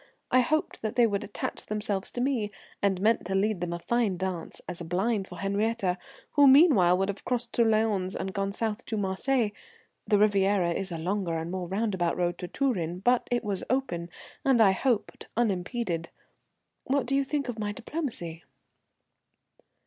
I hoped they would attach themselves to me, and meant to lead them a fine dance as a blind for Henriette, who, meanwhile, would have crossed to Lyons and gone south to Marseilles. The Riviera is a longer and more roundabout road to Turin, but it was open, and I hoped unimpeded. What do you think of my diplomacy?"